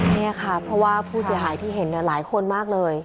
นี่ค่ะเพราะว่าผู้เสียหายที่เห็นหลายคนมากเลย